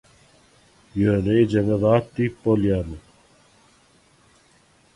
ýöne ejeňe zat diýip bolýamy.